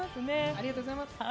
ありがとうございます。